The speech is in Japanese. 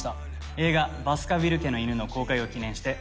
映画『バスカヴィル家の犬』の公開を記念して。